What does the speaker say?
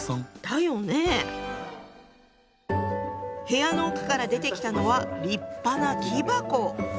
部屋の奥から出てきたのは立派な木箱。